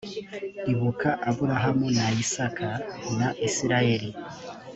ibuka aburahamu na isaka na isirayeli